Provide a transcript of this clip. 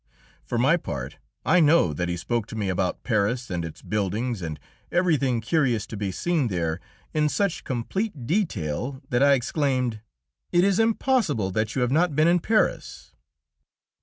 For my part, I know that he spoke to me about Paris and its buildings, and everything curious to be seen there, in such complete detail that I exclaimed, "It is impossible that you have not been in Paris!"